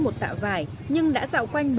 một tạo vải nhưng đã dạo quanh